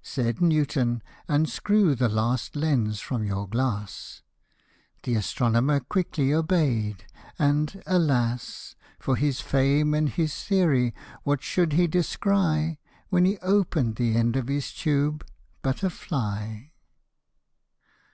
Said Newton, " Unscrew the last lens from your glass ;" The astronomer quickly obey'd, and, alas ! 8 For his fame and his theory what should he descry, When he open'd the end of his tube, but a jly